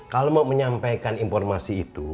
kalau mau menyampaikan informasi itu